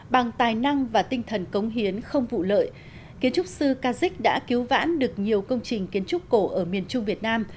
bằng tài năng và tinh thần cống hiến không vụ lợi kiến trúc sư casik đã cứu vãn được nhiều công trình kiến trúc cổ ở miền trung việt nam